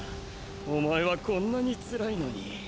おまえはこんなにつらいのに。